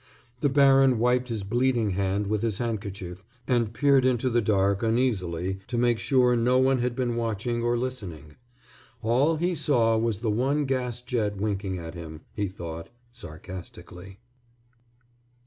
The baron wiped his bleeding hand with his handkerchief and peered into the dark uneasily to make sure no one had been watching or listening. All he saw was the one gas jet winking at him, he thought, sarcastically.